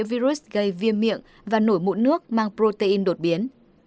virus gây viêm miệng miệng và nổi mụn nước mang protein đột biến